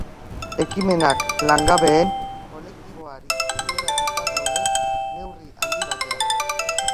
Ekimenak langabeen kolektiboari bideratuta daude neurri handi batean.